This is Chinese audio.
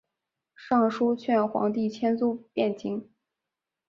上书劝皇帝迁都汴京。